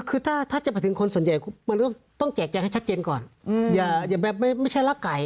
คือถ้าจะไปถึงคนส่วนใหญ่มันก็ต้องแจกแจงให้ชัดเจนก่อนอย่าแบบไม่ใช่รักไก่